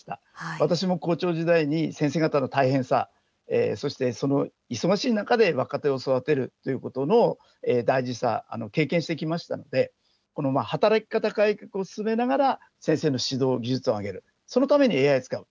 私も校長時代に先生方の大変さ、そしてその忙しい中で若手を育てるということの大事さ、経験してきましたので、この働き方改革を進めながら、先生の指導技術を上げる、そのためにＡＩを使う。